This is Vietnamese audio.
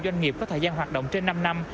doanh nghiệp có thời gian hoạt động trên năm năm